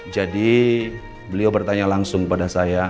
jadi beliau bertanya langsung pada saya